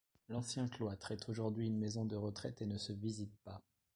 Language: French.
L'ancien cloître est aujourd'hui une maison de retraite et ne se visite pas.